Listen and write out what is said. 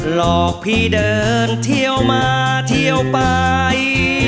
หลอกพี่เดินเที่ยวมาเที่ยวไป